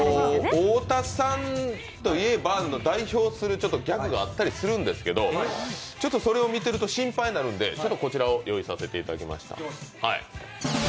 太田さんといえば代表するギャグがあったりするんですけどそれを見てると心配になるので、こちらを用意させていただきました。